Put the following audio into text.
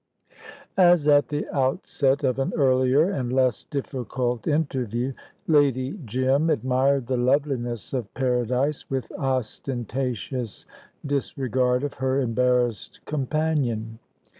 As at the outset of an earlier and less difficult interview, Lady Jim admired the loveliness of paradise, with ostentatious disregard of her embarrassed companion.